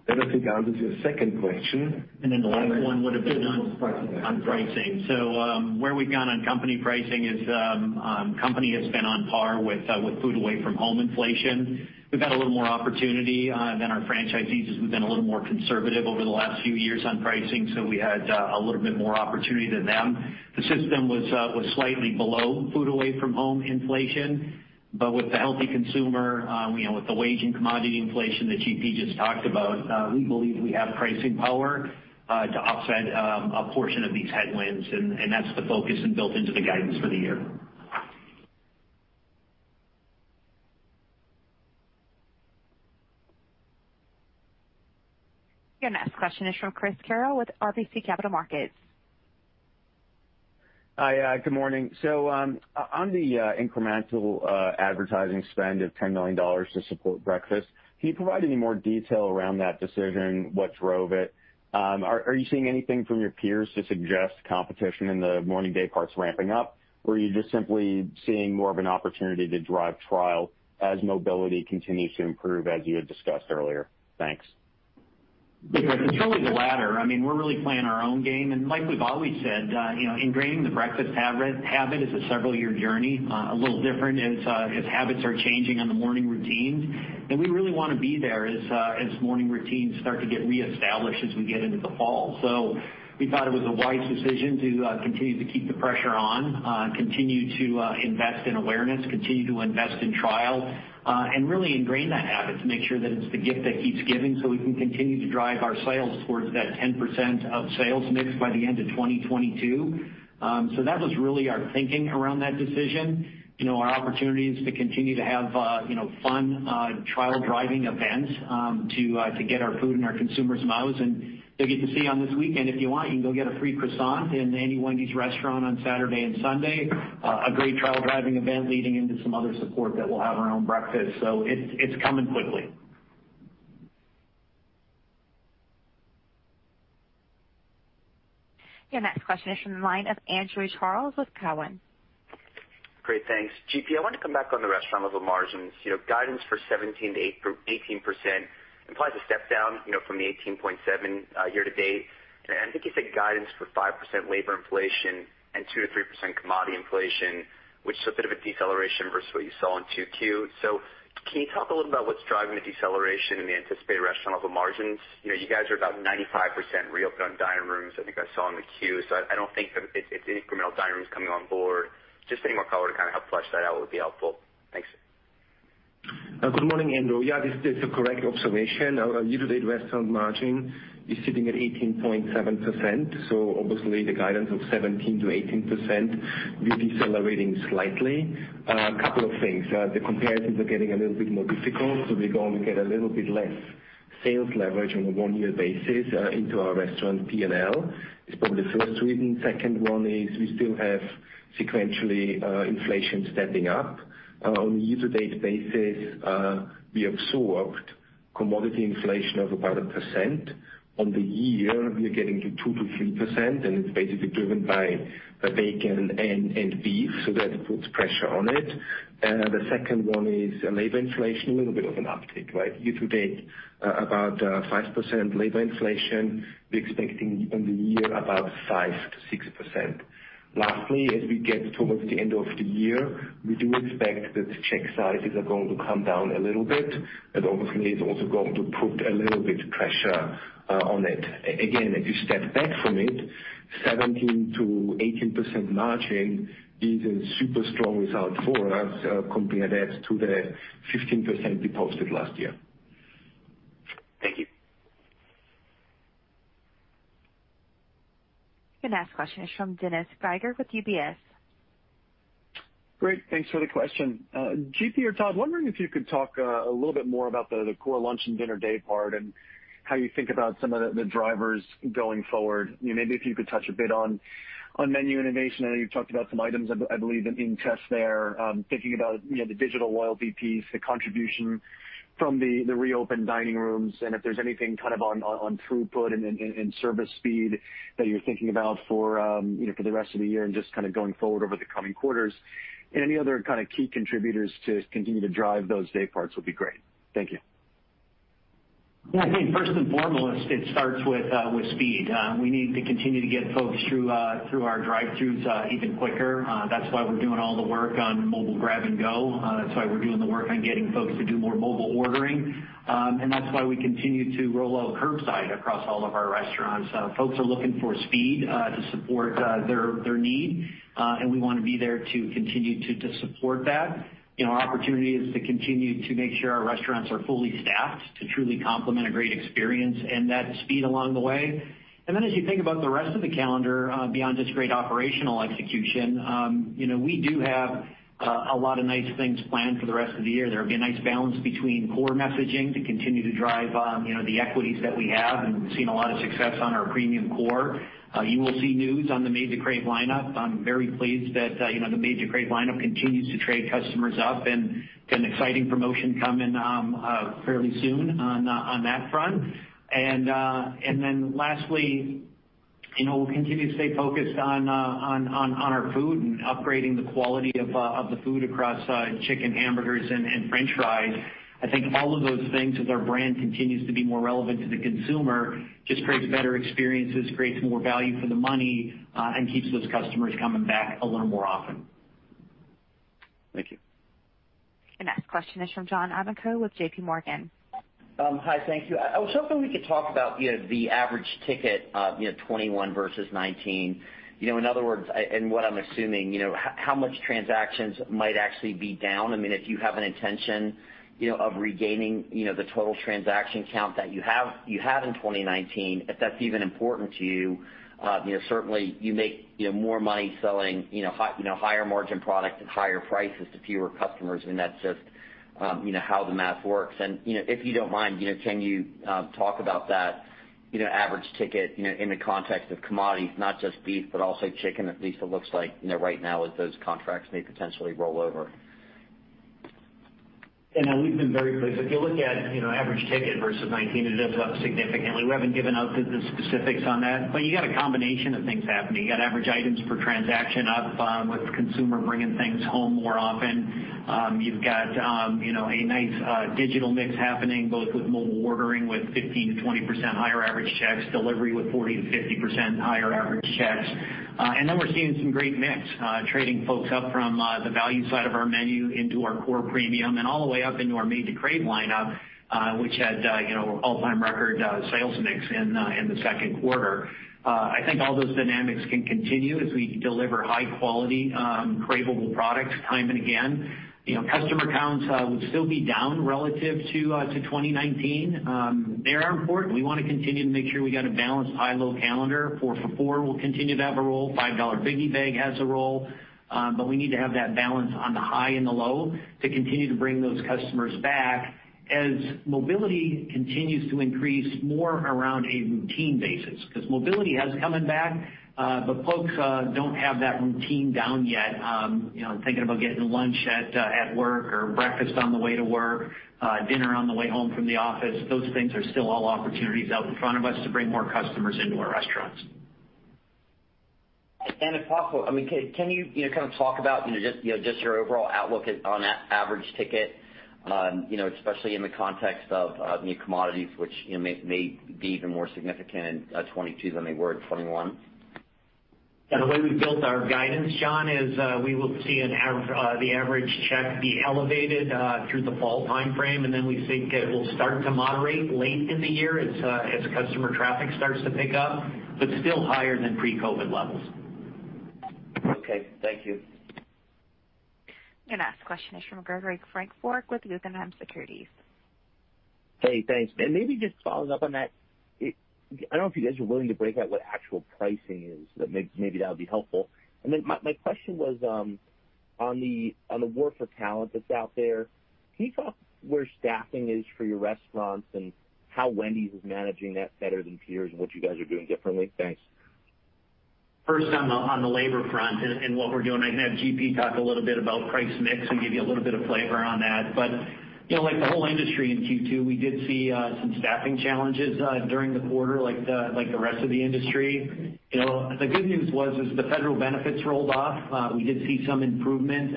That I think covers your second question. The last one would have been on pricing. Where we've gone on company pricing is company has been on par with food away from home inflation. We've had a little more opportunity than our franchisees as we've been a little more conservative over the last few years on pricing, so we had a little bit more opportunity than them. The system was slightly below food away from home inflation. With the healthy consumer, with the wage and commodity inflation that GP just talked about, we believe we have pricing power to offset a portion of these headwinds, and that's the focus and built into the guidance for the year. Your next question is from Chris Carril with RBC Capital Markets. Hi. Good morning. On the incremental advertising spend of $10 million to support breakfast, can you provide any more detail around that decision? What drove it? Are you seeing anything from your peers to suggest competition in the morning day parts ramping up? Are you just simply seeing more of an opportunity to drive trial as mobility continues to improve as you had discussed earlier? Thanks. It's really the latter. We're really playing our own game. Like we've always said, ingraining the breakfast habit is a several year journey. A little different as habits are changing on the morning routines. We really want to be there as morning routines start to get re-established as we get into the fall. We thought it was a wise decision to continue to keep the pressure on, continue to invest in awareness, continue to invest in trial, and really ingrain that habit to make sure that it's the gift that keeps giving so we can continue to drive our sales towards that 10% of sales mix by the end of 2022. That was really our thinking around that decision. Our opportunity is to continue to have fun trial-driving events to get our food in our consumers' mouths. They'll get to see on this weekend, if you want, you can go get a free croissant in any Wendy's restaurant on Saturday and Sunday. A great trial-driving event leading into some other support that we'll have around breakfast. It's coming quickly. Your next question is from the line of Andrew Charles with Cowen. Great, thanks. GP, I wanted to come back on the restaurant level margins. Guidance for 17%-18% implies a step down from the 18.7% year-to-date. I think you said guidance for 5% labor inflation and 2%-3% commodity inflation, which is a bit of a deceleration versus what you saw in Q2. Can you talk a little about what's driving the deceleration in the anticipated restaurant level margins? You guys are about 95% reopened on dining rooms, I think I saw in the Q, so I don't think that it's any incremental dining rooms coming on board. Just any more color to kind of help flesh that out would be helpful. Thanks. Good morning, Andrew. Yeah, this is a correct observation. Our year-to-date restaurant margin is sitting at 18.7%, so obviously the guidance of 17%-18% will be decelerating slightly. A couple of things. The comparisons are getting a little bit more difficult, so we're going to get a little bit less sales leverage on a one-year basis into our restaurant P&L. It's probably first reason. Second one is we still have sequentially inflation stepping up. On a year-to-date basis, we absorbed commodity inflation of about 1%. On the year, we are getting to 2%-3%, and it's basically driven by bacon and beef, so that puts pressure on it. The second one is labor inflation, a little bit of an uptick, right? Year-to-date, about 5% labor inflation. We're expecting in the year about 5%-6%. As we get towards the end of the year, we do expect that check sizes are going to come down a little bit, and obviously it's also going to put a little bit pressure on it. If you step back from it, 17%-18% margin is a super strong result for us compared to the 15% we posted last year. Thank you. Next question is from Dennis Geiger with UBS. Great. Thanks for the question. GP or Todd, wondering if you could talk a little bit more about the core lunch and dinner day part and how you think about some of the drivers going forward. Maybe if you could touch a bit on menu innovation. I know you've talked about some items, I believe, in test there. Thinking about the digital loyalty piece, the contribution from the reopened dining rooms, and if there's anything on throughput and service speed that you're thinking about for the rest of the year and just going forward over the coming quarters. Any other key contributors to continue to drive those day parts would be great. Thank you. I think first and foremost, it starts with speed. We need to continue to get folks through our drive-throughs even quicker. That's why we're doing all the work on mobile grab and go. That's why we're doing the work on getting folks to do more mobile ordering. That's why we continue to roll out curbside across all of our restaurants. Folks are looking for speed to support their need, and we want to be there to continue to support that. Our opportunity is to continue to make sure our restaurants are fully staffed to truly complement a great experience and that speed along the way. As you think about the rest of the calendar, beyond just great operational execution, we do have a lot of nice things planned for the rest of the year. There will be a nice balance between core messaging to continue to drive the equities that we have, and we've seen a lot of success on our premium core. You will see news on the Made to Crave lineup. I'm very pleased that the Made to Crave lineup continues to trade customers up, and an exciting promotion coming fairly soon on that front. Lastly, we'll continue to stay focused on our food and upgrading the quality of the food across chicken, hamburgers, and french fries. I think all of those things, as our brand continues to be more relevant to the consumer, just creates better experiences, creates more value for the money, and keeps those customers coming back a little more often. Thank you. Your next question is from John Ivankoe with JPMorgan. Hi, thank you. I was hoping we could talk about the average ticket, 2021 versus 2019. In other words, and what I'm assuming, how much transactions might actually be down. If you have an intention of regaining the total transaction count that you had in 2019, if that's even important to you. Certainly, you make more money selling higher margin product at higher prices to fewer customers, and that's just how the math works. If you don't mind, can you talk about that average ticket in the context of commodities, not just beef, but also chicken, at least it looks like right now as those contracts may potentially roll over? Yeah, we've been very pleased. If you look at average ticket versus 2019, it is up significantly. We haven't given out the specifics on that, but you got a combination of things happening. You got average items per transaction up with consumer bringing things home more often. You've got a nice digital mix happening, both with mobile ordering, with 15%-20% higher average checks, delivery with 40%-50% higher average checks. And then we're seeing some great mix, trading folks up from the value side of our menu into our core premium, and all the way up into our Made to Crave lineup, which had an all-time record sales mix in the second quarter. I think all those dynamics can continue as we deliver high-quality, craveable products time and again. Customer counts would still be down relative to 2019. They are important. We want to continue to make sure we got a balanced high-low calendar. Four for $4 will continue to have a role. $5 Biggie Bag has a role. We need to have that balance on the high and the low to continue to bring those customers back as mobility continues to increase more around a routine basis, because mobility has coming back. Folks don't have that routine down yet, thinking about getting lunch at work or breakfast on the way to work, dinner on the way home from the office. Those things are still all opportunities out in front of us to bring more customers into our restaurants. If possible, can you talk about just your overall outlook on average ticket, especially in the context of new commodities, which may be even more significant in 2022 than they were in 2021? Yeah. The way we built our guidance, John, is we will see the average check be elevated through the fall timeframe, and then we think it will start to moderate late in the year as customer traffic starts to pick up, but still higher than pre-COVID levels. Okay. Thank you. The next question is from Gregory Francfort with Guggenheim Securities. Hey, thanks. Maybe just following up on that, I don't know if you guys are willing to break out what actual pricing is, but maybe that would be helpful. My question was on the war for talent that's out there, can you talk where staffing is for your restaurants and how Wendy's is managing that better than peers, and what you guys are doing differently? Thanks. First, on the labor front and what we're doing, I can have GP talk a little bit about price mix and give you a little bit of flavor on that. Like the whole industry in Q2, we did see some staffing challenges during the quarter like the rest of the industry. The good news was, as the federal benefits rolled off, we did see some improvement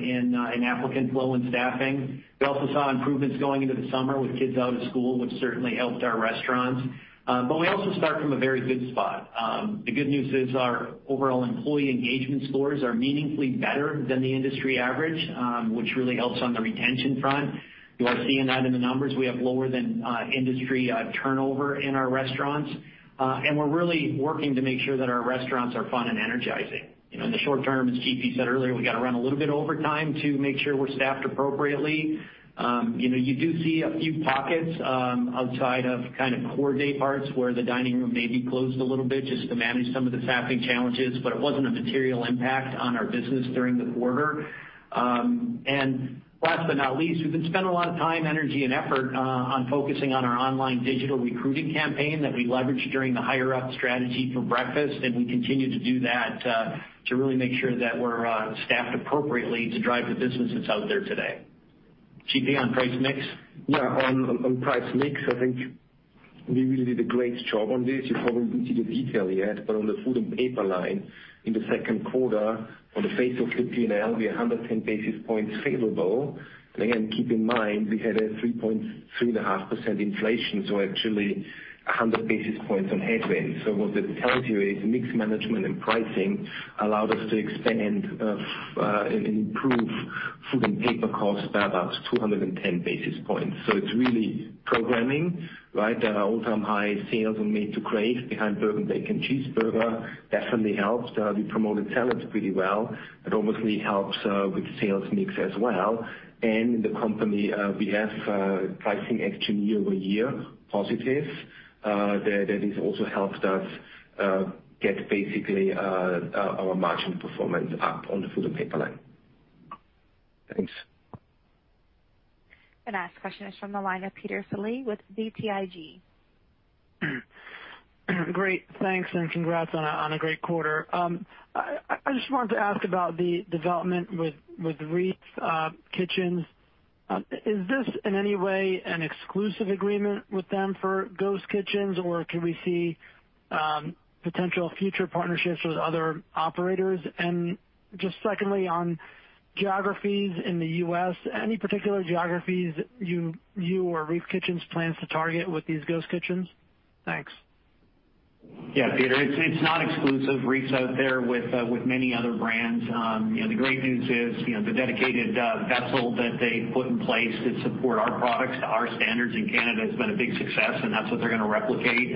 in applicant flow and staffing. We also saw improvements going into the summer with kids out of school, which certainly helped our restaurants. We also start from a very good spot. The good news is our overall employee engagement scores are meaningfully better than the industry average, which really helps on the retention front. You are seeing that in the numbers. We have lower than industry turnover in our restaurants. We're really working to make sure that our restaurants are fun and energizing. In the short term, as GP said earlier, we got to run a little bit overtime to make sure we're staffed appropriately. You do see a few pockets outside of core day parts where the dining room may be closed a little bit just to manage some of the staffing challenges, but it wasn't a material impact on our business during the quarter. Last but not least, we've been spending a lot of time, energy, and effort on focusing on our online digital recruiting campaign that we leveraged during the Hire Up strategy for breakfast. We continue to do that to really make sure that we're staffed appropriately to drive the business that's out there today. GP, on price mix? Yeah. On price mix, I think we really did a great job on this. You probably didn't see the detail yet, but on the food and paper line in the second quarter, on the face of the P&L, we are 110 basis points favorable. Again, keep in mind, we had a 3.5% inflation, actually 100 basis points on headwind. What that tells you is mix management and pricing allowed us to expand and improve food and paper cost by about 210 basis points. It's really programming. There are all-time high sales on Made to Crave behind Bourbon Bacon Cheeseburger. Definitely helped. We promoted salads pretty well. That obviously helps with sales mix as well. In the company, we have pricing actually year-over-year positive. That has also helped us get basically our margin performance up on the food and paper line. Thanks. The next question is from the line of Peter Saleh with BTIG. Great. Thanks. Congrats on a great quarter. I just wanted to ask about the development with REEF Kitchens. Is this in any way an exclusive agreement with them for ghost kitchens, or could we see potential future partnerships with other operators? Just secondly, on geographies in the U.S., any particular geographies you or REEF Kitchens plans to target with these ghost kitchens? Thanks. Yeah, Peter, it's not exclusive. REEF's out there with many other brands. The great news is the dedicated vessel that they put in place to support our products to our standards in Canada has been a big success. That's what they're going to replicate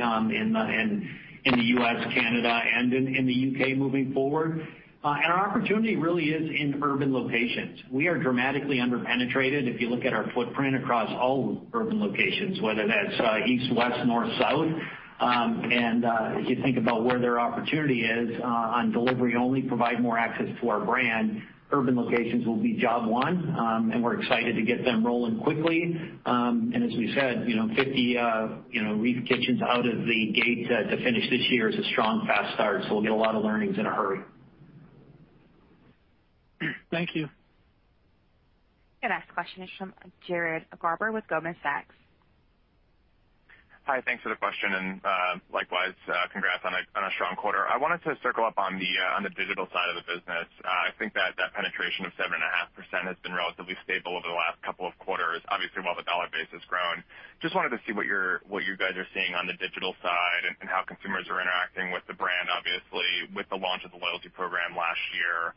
in the U.S., Canada, and in the U.K. moving forward. Our opportunity really is in urban locations. We are dramatically under-penetrated if you look at our footprint across all urban locations, whether that's east, west, north, south. As you think about where their opportunity is on delivery only provide more access to our brand, urban locations will be job one. We're excited to get them rolling quickly. As we've said, 50 REEF Kitchens out of the gate to finish this year is a strong fast start. We'll get a lot of learnings in a hurry. Thank you. Your next question is from Jared Garber with Goldman Sachs. Hi, thanks for the question. Likewise, congrats on a strong quarter. I wanted to circle up on the digital side of the business. I think that that penetration of 7.5% has been relatively stable over the last couple of quarters, obviously, while the dollar base has grown. Just wanted to see what you guys are seeing on the digital side and how consumers are interacting with the brand. Obviously, with the launch of the Loyalty Program last year,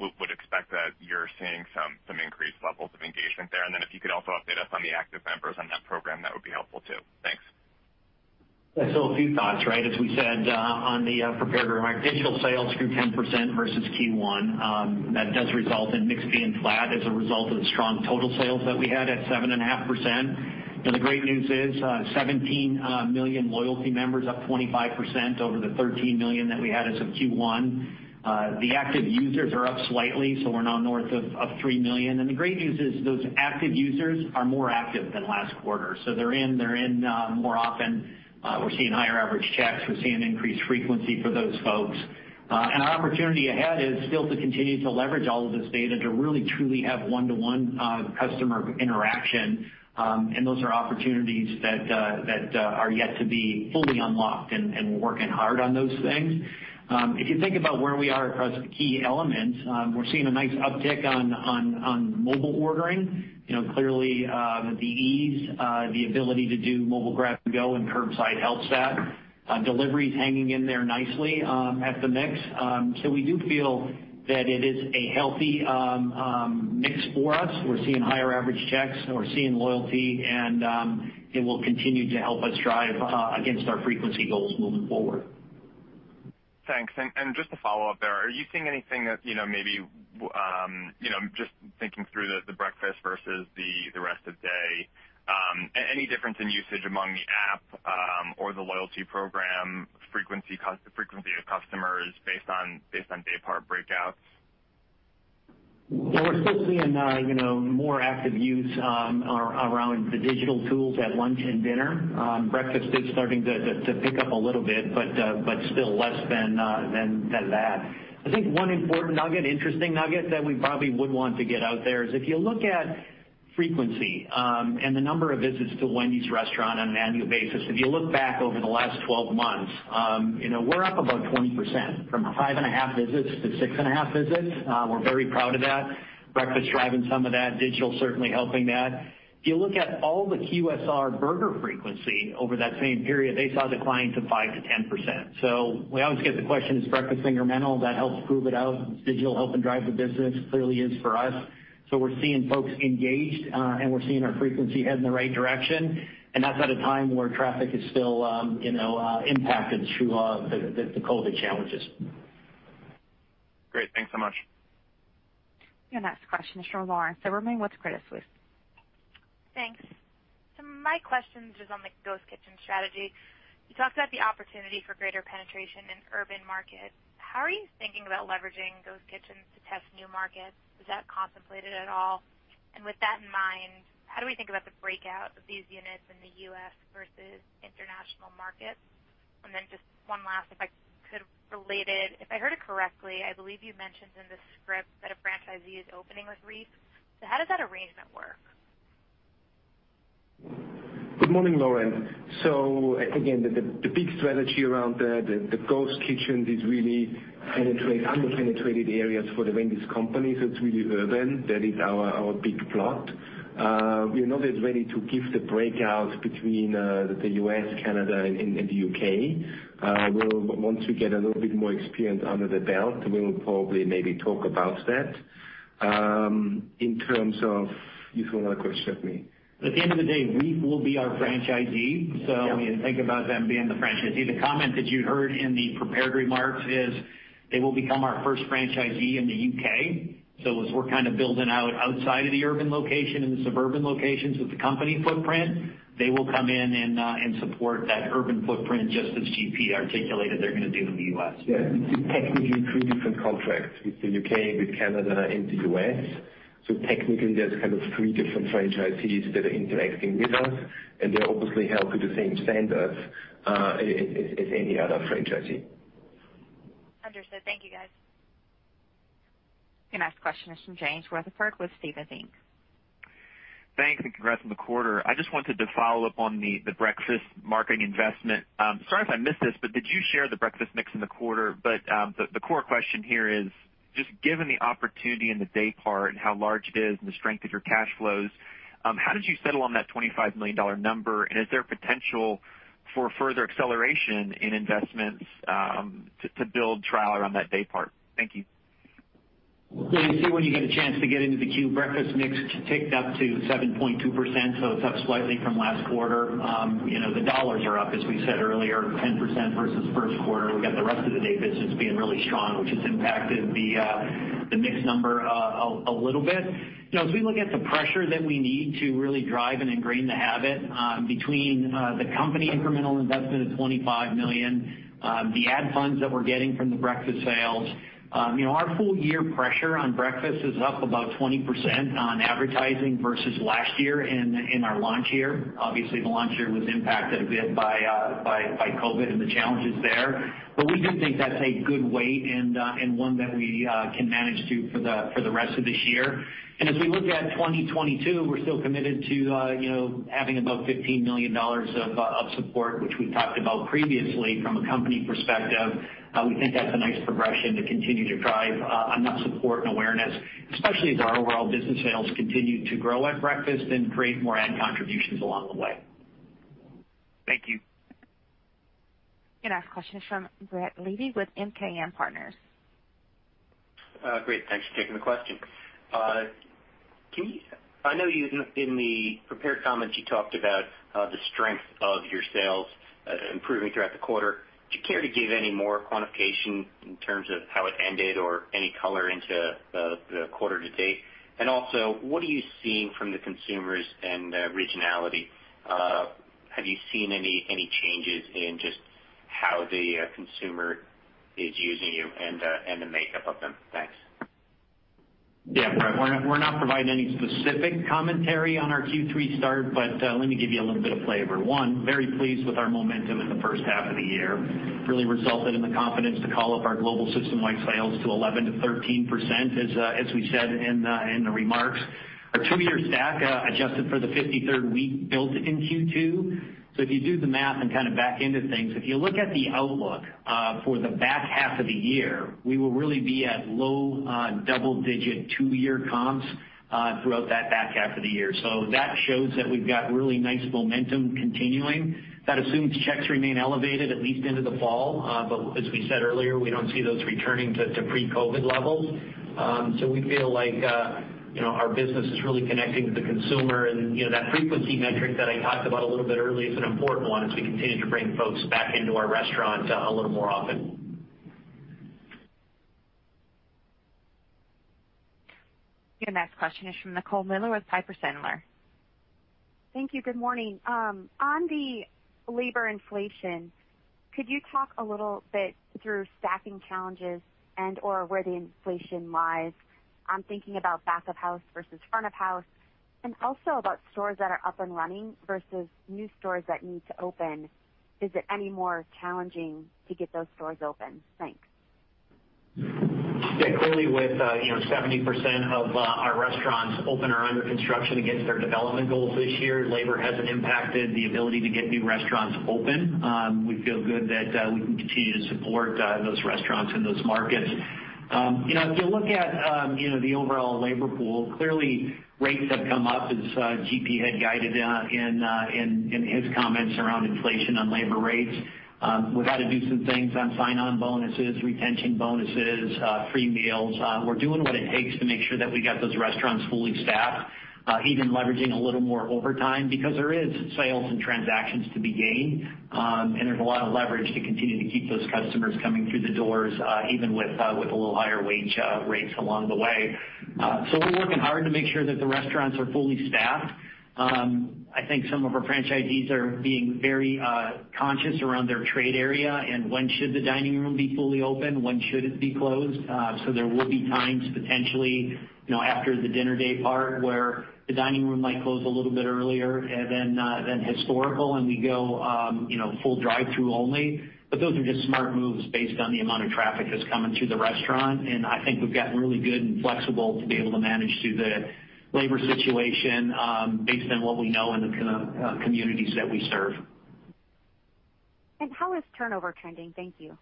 we would expect that you're seeing some increased levels of engagement there. If you could also update us on the active members on that program, that would be helpful too. Thanks. A few thoughts, right? As we said on the prepared remarks, digital sales grew 10% versus Q1. That does result in mix being flat as a result of strong total sales that we had at 7.5%. The great news is 17 million loyalty members, up 25% over the 13 million that we had as of Q1. The active users are up slightly, so we're now north of three million. The great news is those active users are more active than last quarter. They're in more often. We're seeing higher average checks. We're seeing increased frequency for those folks. Our opportunity ahead is still to continue to leverage all of this data to really truly have one-to-one customer interaction, and those are opportunities that are yet to be fully unlocked, and we're working hard on those things. If you think about where we are across the key elements, we're seeing a nice uptick on mobile ordering. Clearly, the ease, the ability to do mobile grab and go, and curbside helps that. Delivery is hanging in there nicely at the mix. We do feel that it is a healthy mix for us. We're seeing higher average checks, and we're seeing loyalty, and it will continue to help us drive against our frequency goals moving forward. Thanks. Just to follow up there, are you seeing anything that just thinking through the breakfast versus the rest of day, any difference in usage among the app or the loyalty program frequency of customers based on day part breakouts? Yeah, we're still seeing more active use around the digital tools at lunch and dinner. Breakfast is starting to pick up a little bit, still less than that. I think one important nugget, interesting nugget that we probably would want to get out there is if you look at frequency and the number of visits to Wendy's restaurant on an annual basis, if you look back over the last 12 months, we're up about 20%, from 5.5 Visits to 6.5 Visits. We're very proud of that. Breakfast driving some of that, digital certainly helping that. If you look at all the QSR burger frequency over that same period, they saw declines of 5% to 10%. We always get the question, is breakfast incremental? That helps prove it out. Does digital help and drive the business? Clearly is for us. We're seeing folks engaged, and we're seeing our frequency head in the right direction, and that's at a time where traffic is still impacted through the COVID challenges. Great. Thanks so much. Your next question is from Lauren Silberman with Credit Suisse. Thanks. My question is on the ghost kitchen strategy. You talked about the opportunity for greater penetration in urban markets. How are you thinking about leveraging ghost kitchens to test new markets? Is that contemplated at all? With that in mind, how do we think about the breakout of these units in the U.S. versus international markets? Just one last, if I could relate it. If I heard it correctly, I believe you mentioned in the script that a franchisee is opening with REEF. How does that arrangement work? Good morning, Lauren. Again, the big strategy around the ghost kitchen is really under-penetrated areas for The Wendy's Company, so it's really urban. That is our big plot. We're not as ready to give the breakout between the U.S., Canada, and the U.K. Once we get a little bit more experience under the belt, we will probably maybe talk about that. You forgot a question at me. At the end of the day, REEF will be our franchisee. Yeah. When you think about them being the franchisee, the comment that you heard in the prepared remarks is they will become our first franchisee in the U.K. As we're kind of building out outside of the urban location and the suburban locations with the company footprint, they will come in and support that urban footprint just as GP articulated they're going to do in the U.S. Yeah. It's technically three different contracts with the U.K., with Canada, and the U.S. Technically, there's kind of three different franchisees that are interacting with us, and they're obviously held to the same standards as any other franchisee. Understood. Thank you, guys. Your next question is from James Rutherford with Stephens Inc. Thanks, and congrats on the quarter. I just wanted to follow up on the breakfast marketing investment. Sorry if I missed this, did you share the breakfast mix in the quarter? The core question here is, just given the opportunity in the day part and how large it is and the strength of your cash flows, how did you settle on that $25 million number, and is there potential for further acceleration in investments to build trial around that day part? Thank you. You see when you get a chance to get into the queue, breakfast mix ticked up to 7.2%, it's up slightly from last quarter. The dollars are up, as we said earlier, 10% versus first quarter. We got the rest of the day part just being really strong, which has impacted the mix number a little bit. As we look at the pressure that we need to really drive and ingrain the habit between the company incremental investment of $25 million, the ad funds that we're getting from the breakfast sales, our full year pressure on breakfast is up about 20% on advertising versus last year in our launch year. Obviously, the launch year was impacted a bit by COVID and the challenges there. We do think that's a good weight and one that we can manage to for the rest of this year. As we look at 2022, we're still committed to having about $15 million of support, which we talked about previously from a company perspective. We think that's a nice progression to continue to drive on that support and awareness, especially as our overall business sales continue to grow at breakfast and create more ad contributions along the way. Thank you. Your next question is from Brett Levy with MKM Partners. Great. Thanks for taking the question. I know in the prepared comments, you talked about the strength of your sales improving throughout the quarter. Would you care to give any more quantification in terms of how it ended or any color into the quarter to date? Also, what are you seeing from the consumers and regionality? Have you seen any changes in just how the consumer is using you and the makeup of them? Thanks. Yeah, Brett, we're not providing any specific commentary on our Q3 start, but let me give you a little bit of flavor. One, very pleased with our momentum in the first half of the year. Really resulted in the confidence to call up our global systemwide sales to 11%-13% as we said in the remarks. Our two-year stack, adjusted for the 53rd-week built in Q2. If you do the math and kind of back into things, if you look at the outlook for the back half of the year, we will really be at low double-digit two-year comps throughout that back half of the year. That shows that we've got really nice momentum continuing. That assumes checks remain elevated at least into the fall. As we said earlier, we don't see those returning to pre-COVID levels. We feel like our business is really connecting with the consumer, and that frequency metric that I talked about a little bit earlier is an important one as we continue to bring folks back into our restaurant a little more often. Your next question is from Nicole Miller with Piper Sandler. Thank you. Good morning. On the labor inflation, could you talk a little bit through staffing challenges and/or where the inflation lies? I'm thinking about back of house versus front of house, and also about stores that are up and running versus new stores that need to open. Is it any more challenging to get those stores open? Thanks. Clearly with 70% of our restaurants open or under construction against our development goals this year, labor hasn't impacted the ability to get new restaurants open. We feel good that we can continue to support those restaurants in those markets. If you look at the overall labor pool, clearly rates have come up as GP had guided in his comments around inflation on labor rates. We've had to do some things on sign-on bonuses, retention bonuses, free meals. We're doing what it takes to make sure that we got those restaurants fully staffed, even leveraging a little more overtime because there is sales and transactions to be gained. There's a lot of leverage to continue to keep those customers coming through the doors, even with a little higher wage rates along the way. We're working hard to make sure that the restaurants are fully staffed. I think some of our franchisees are being very conscious around their trade area and when should the dining room be fully open, when should it be closed. There will be times potentially, after the dinner day part where the dining room might close a little bit earlier than historical and we go full drive-through only. Those are just smart moves based on the amount of traffic that's coming through the restaurant, and I think we've gotten really good and flexible to be able to manage through the labor situation based on what we know in the communities that we serve. How is turnover trending? Thank you.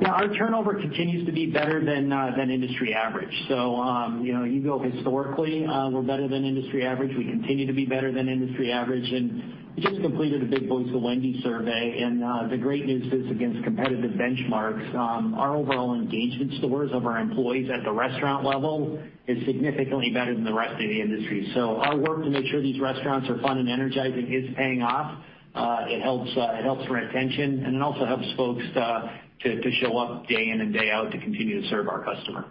Yeah, our turnover continues to be better than industry average. You go historically, we're better than industry average. We continue to be better than industry average. We just completed a big Voice of Wendy's survey, and the great news is against competitive benchmarks our overall engagement scores of our employees at the restaurant level is significantly better than the rest of the industry. Our work to make sure these restaurants are fun and energizing is paying off. It helps retention. It also helps folks to show up day in and day out to continue to serve our customer.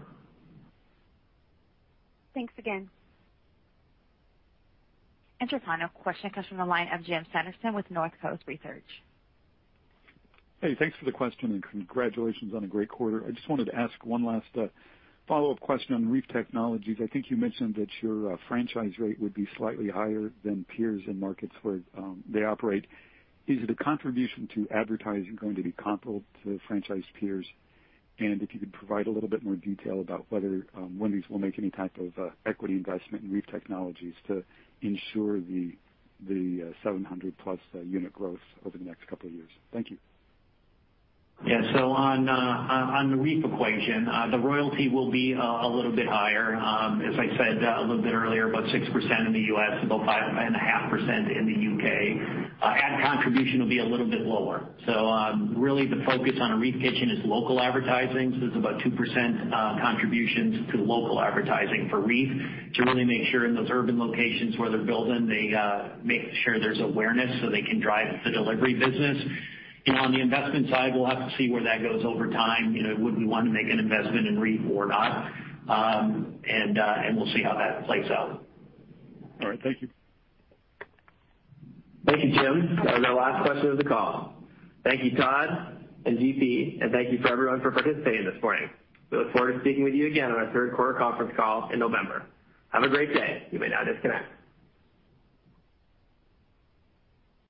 Thanks again. Your final question comes from the line of Jim Sanderson with Northcoast Research. Hey, thanks for the question and congratulations on a great quarter. I just wanted to ask one last follow-up question on REEF Technology. I think you mentioned that your franchise rate would be slightly higher than peers in markets where they operate. Is the contribution to advertising going to be comparable to franchise peers? If you could provide a little bit more detail about whether Wendy's will make any type of equity investment in REEF Technology to ensure the 700+ unit growth over the next couple of years. Thank you. Yeah. On the REEF equation, the royalty will be a little bit higher. As I said a little bit earlier, about 6% in the U.S., about 5.5% in the U.K. Ad contribution will be a little bit lower. Really the focus on a REEF kitchen is local advertising. It's about 2% contributions to local advertising for REEF to really make sure in those urban locations where they're building, they make sure there's awareness so they can drive the delivery business. On the investment side, we'll have to see where that goes over time. Would we want to make an investment in REEF or not? We'll see how that plays out. All right. Thank you. Thank you, Jim. That was our last question of the call. Thank you, Todd and GP, and thank you for everyone for participating this morning. We look forward to speaking with you again on our third quarter conference call in November. Have a great day. You may now disconnect.